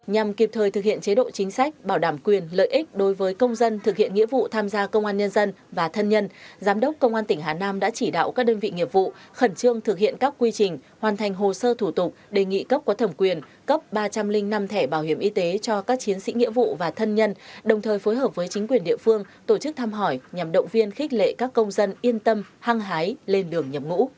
nhằm kịp thời thực hiện chế độ chính sách bảo đảm quyền lợi ích đối với công dân thực hiện nghĩa vụ tham gia công an nhân dân và thân nhân giám đốc công an tỉnh hà nam đã chỉ đạo các đơn vị nghiệp vụ khẩn trương thực hiện các quy trình hoàn thành hồ sơ thủ tục đề nghị cấp có thẩm quyền cấp ba trăm linh năm thẻ bảo hiểm y tế cho các chiến sĩ nghĩa vụ và thân nhân đồng thời phối hợp với chính quyền địa phương tổ chức tham hỏi nhằm động viên khích lệ các công dân yên tâm hăng hái lên đường nhập ngũ